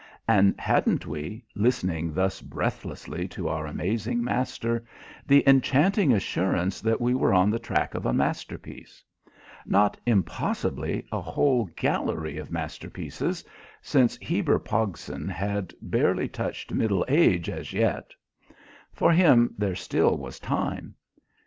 And hadn't we, listening thus breathlessly to our amazing master, the enchanting assurance that we were on the track of a masterpiece? Not impossibly a whole gallery of masterpieces, since Heber Pogson had barely touched middle age as yet. For him there still was time.